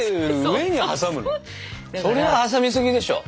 それは挟みすぎでしょ！